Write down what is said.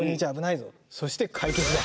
そして解決だ。